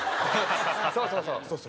そうそうそう。